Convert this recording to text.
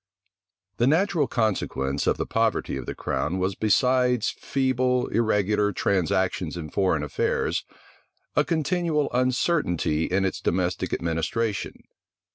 The natural consequence of the poverty of the crown was besides feeble, irregular transactions in foreign affairs, a continual uncertainty in its domestic administration.